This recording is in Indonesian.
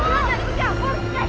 jangan berbicara jangan berbicara